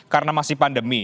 karena masih pandemi